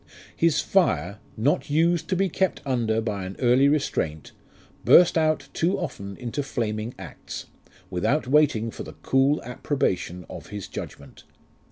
His fire, not used to be kept under by an early restraint, Burst out too often into flaming acts, Without waiting for the cool approbation of his judgment.